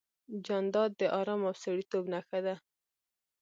جانداد د ارام او سړیتوب نښه ده.